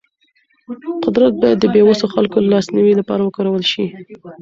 قدرت باید د بې وسو خلکو د لاسنیوي لپاره وکارول شي.